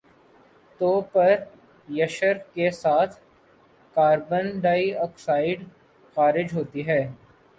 تو pressure کے ساتھ کاربن ڈائی آکسائیڈ خارج ہوتی ہے